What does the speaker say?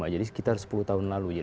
jadi sekitar sepuluh tahun lalu